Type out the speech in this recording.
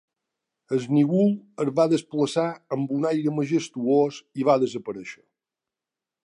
El núvol es va desplaçar amb un aire majestuós i va desaparèixer.